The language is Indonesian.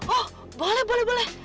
oh boleh boleh boleh